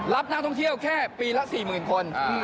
รับนักท่องเที่ยวแค่ปีละ๔๐๐๐คน